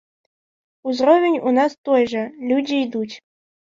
Узровень у нас той жа, людзі ідуць.